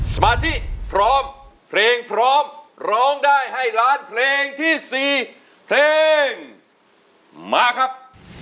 สมาธิพร้อมเพลงพร้อมร้องได้ให้ล้านเพลงที่๔เพลงมาครับ